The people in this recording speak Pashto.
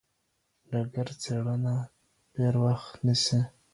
ډګر څېړنه ډېر وخت نیسي.